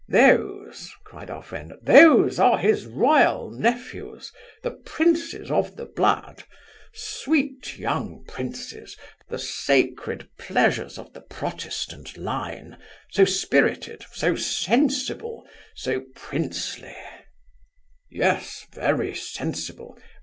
'Those! (cried our friend) those are his royal nephews; the princes of the blood. Sweet young princes! the sacred pledges of the Protestant line; so spirited, so sensible, so princely' 'Yes; very sensible!